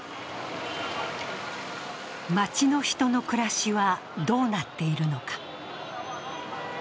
街の人の暮らしはどうなっているのか。